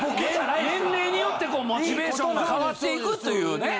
年齢によってモチベーションが変わっていくというね。